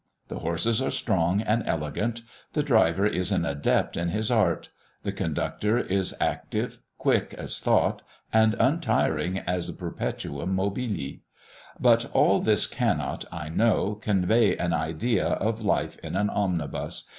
The horses are strong and elegant; the driver is an adept in his art; the conductor is active, quick as thought, and untiring as the perpetuum mobile. But all this cannot, I know, convey an idea of "life in an omnibus."